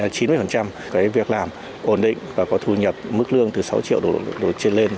cái việc làm ổn định và có thu nhập mức lương từ sáu triệu trên lên